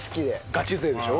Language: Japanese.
ガチ勢でしょ？